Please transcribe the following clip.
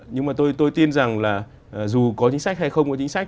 nhưng mà tôi tin rằng là dù có chính sách hay không có chính sách